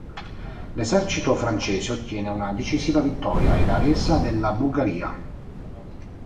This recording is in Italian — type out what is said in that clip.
L'esercito francese ottiene una decisiva vittoria e la resa della Bulgaria.